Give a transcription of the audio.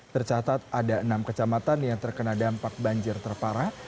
tercatat ada enam kecamatan yang terkena dampak banjir terparah